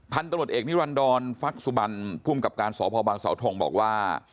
พันธุ์ตำรวจเอกนิรันดรฟักสุบันภูมิกับการสพบังเสาทงบอกว่า